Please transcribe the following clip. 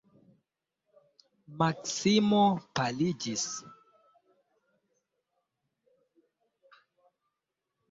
Maksimo paliĝis.